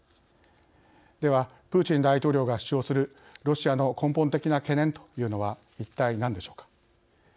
では、プーチン大統領が主張するロシアの根本的な懸念というのは、一体何でしょうか。